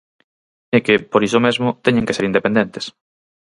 E que, por iso mesmo, teñen que ser independentes.